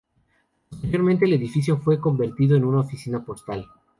Posteriormente el edificio fue convertido en una oficina postal.